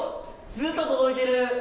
ずっと届いてる！